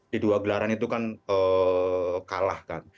di dua gelaran itu kan kalah kan